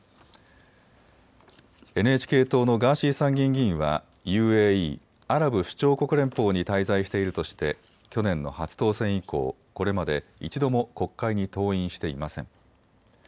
ＮＨＫ党のガーシー参議院議員はＵＡＥ・アラブ首長国連邦に滞在しているとして去年の初当選以降、これまで一度も国会に登院していません。